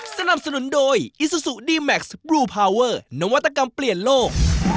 สนับสนุนโดยอิซูซูดีแม็กซ์บลูพาวเวอร์นวัตกรรมเปลี่ยนโลก